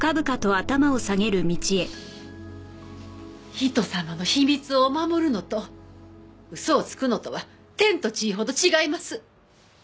人様の秘密を守るのと嘘をつくのとは天と地ほど違います。